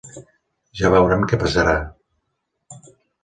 Ja veurem què passarà.